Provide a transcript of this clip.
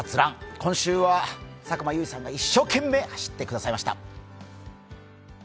今週は佐久間由依さんが一生懸命走ってくださいました。